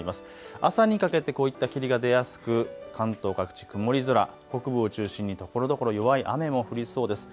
朝にかけてこういった霧が出やすく、関東各地曇り空、北部を中心にところどころ弱い雨も降りそうです。